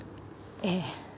ええ。